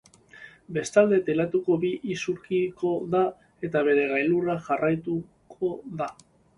Bestalde, teilatua bi isurkikoa da, eta bere gailurra jarraitua da.